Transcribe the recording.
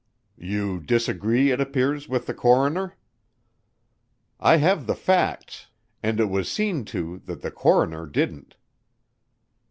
"You disagree, it appears, with the coroner." "I have the facts and it was seen to that the coroner didn't."